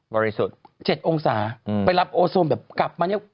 ริสุทธิ์๗องศาไปรับโอโซนแบบกลับมาเนี่ย